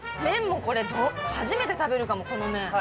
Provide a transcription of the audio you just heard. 麺もこれ初めて食べるかもこの麺。